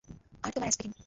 আর তোমার অ্যাসপিরিন।